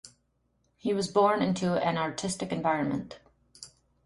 He was born into an artistic environment.